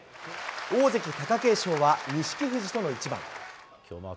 大関・貴景勝は、錦富士との一番。